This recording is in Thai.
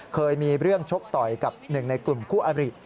เคยมีเรื่องชกต่อยกับหนึ่งในกลุ่มคู่อริ